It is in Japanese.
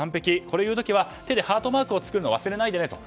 これを言う時には手でハートマークを作るのを忘れないでねと。